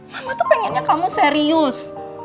mama tuh pengennya kamu serius